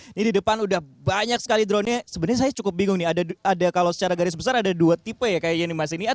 ini di depan udah banyak sekali dronenya sebenarnya saya cukup bingung nih ada kalau secara garis besar ada dua tipe ya kayaknya nih mas ini